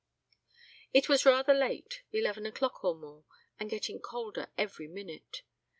It was rather late; eleven o'clock or more, and getting colder every minute.